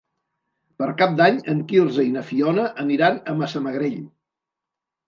Per Cap d'Any en Quirze i na Fiona aniran a Massamagrell.